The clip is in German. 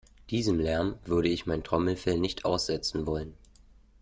Diesem Lärm würde ich mein Trommelfell nicht aussetzen wollen.